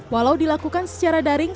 walau dilakukan secara daring